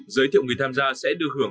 giới thiệu người tham gia sẽ được hưởng